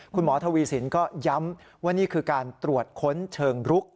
คุณหมอทวีสินก็ย้ำว่านี่คือการตรวจค้นเชิงรุก